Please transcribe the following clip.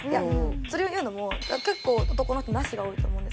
それを言うのも結構男の人「ナシ」が多いと思うんですけど。